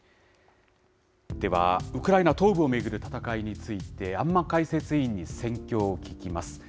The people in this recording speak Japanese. では、ウクライナ東部を巡る戦いについて、安間解説委員に戦況を聞きます。